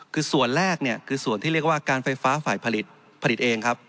คือส่วนแรกเนี่ยคือส่วนที่เรียกว่าการไฟฟ้าฝ่ายผลิตผลิตเองครับ